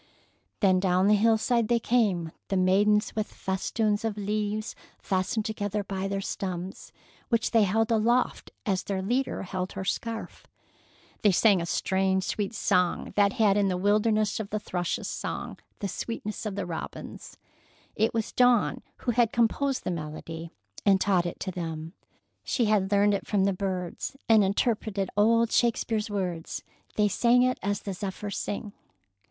Then down the hillside they came, the maidens with festoons of leaves fastened together by their stems, which they held aloft as their leader held her scarf. They sang a strange, sweet song that had in it the wildness of the thrush's song, the sweetness of the robin's. It was Dawn who had composed the melody, and taught it to them. She had learned it from the birds, and interpreted old Shakespeare's words. They sang it as the zephyrs sing.